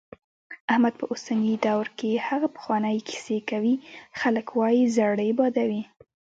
احمد په اوسني دور کې هغه پخوانۍ کیسې کوي، خلک وايي زړې بادوي.